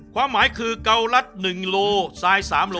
ความหมายคือเกาลัด๑โลทราย๓๐๐